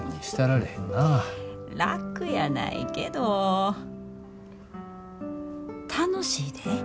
楽やないけど楽しいで。